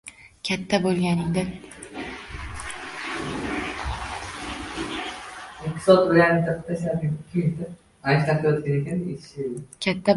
Katta bo‘lganingda tushunasan.